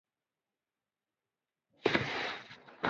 希腊王国因此否认阿尔巴尼亚民族的独立地位。